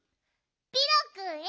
ピロくんへ。